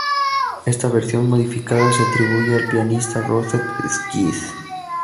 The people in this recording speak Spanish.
Esta versión modificada se atribuye al pianista Roosevelt Sykes.